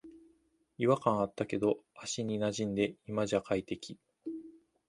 違和感あったけど足になじんで今じゃ快適